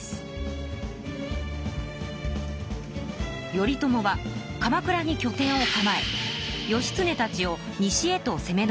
頼朝は鎌倉にきょ点を構え義経たちを西へとせめ上らせました。